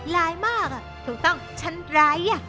ร้ายมากถูกต้องฉันร้าย